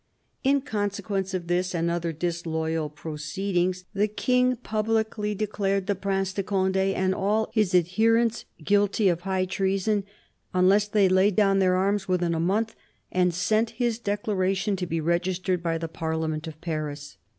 In consequence of this and other disloyal proceedings, the King publicly declared the Prince de Conde and all his adherents guilty of high treason unless they laid down their arms within a month, and sent his declaration to be registered by the Parliament of Paris.